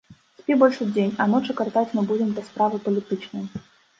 Спі больш удзень, а ночы каратаць мы будзем для справы палітычнай.